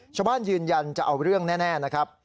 ยืนยันจะเอาเรื่องแน่นะครับ